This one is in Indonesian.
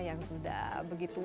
yang sudah begitu lah